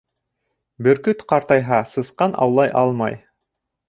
Бөркөт ҡартайһа, сысҡан аулай алмай.